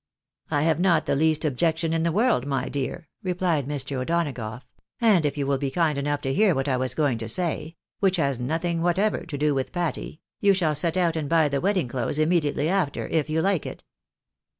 "I have not the least objection in the world, my dear," replied Mr. O'Donagough ;" and if you will be kind enough to hear what I was going to say — which has nothing whatever to do with Patty — you shall set out and buy the wedding clothes immediately after, if you like it."